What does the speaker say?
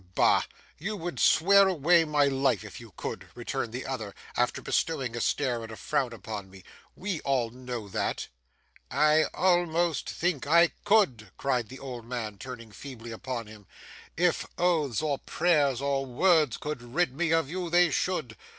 'Bah! You would swear away my life if you could,' returned the other, after bestowing a stare and a frown on me; 'we all know that!' 'I almost think I could,' cried the old man, turning feebly upon him. 'If oaths, or prayers, or words, could rid me of you, they should.